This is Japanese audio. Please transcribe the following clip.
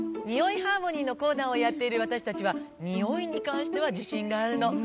「においハーモニー」のコーナーをやっているわたしたちはにおいにかんしてはじしんがあるの。